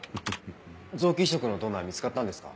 臓器移植のドナー見つかったんですか？